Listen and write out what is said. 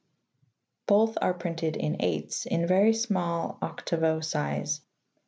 Both are printed in "eights" in very small 8vo size (i6nio).